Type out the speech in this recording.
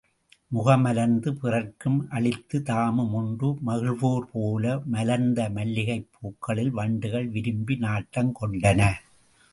முகமலர்ந்து பிறர்க்கும் அளித்துத் தாமும் உண்டு மகிழ்வோர்போல மலர்ந்த மல்லிகைப் பூக்களில் வண்டுகள் விரும்பி நாட்டம் கொண்டன.